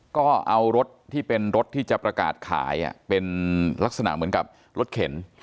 ก็เอารถที่เป็นรถที่จะประกาศขายเป็นลักษณะเหมือนกับรถเข็น